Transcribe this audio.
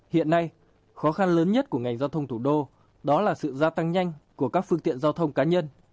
hiện nay khó khăn lớn nhất của ngành giao thông thủ đô đó là sự gia tăng nhanh của các phương tiện giao thông cá nhân